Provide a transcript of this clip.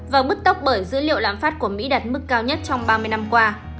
và bức tốc bởi dữ liệu lạm phát của mỹ đặt mức cao nhất trong ba mươi năm qua